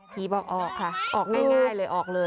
บอกออกค่ะออกง่ายเลยออกเลย